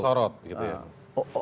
sorot gitu ya